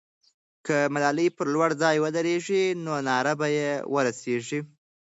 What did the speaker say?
که ملالۍ پر لوړ ځای ودرېږي، نو ناره به یې ورسېږي.